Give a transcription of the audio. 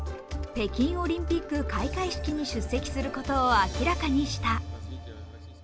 北京オリンピック開会式に出席することを明らかにした。